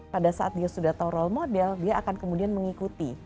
pada saat dia sudah tahu role model dia akan kemudian mengikuti